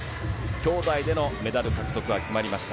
姉妹でのメダル獲得は決まりました。